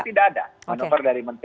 kan sudah tidak ada manuver dari menteri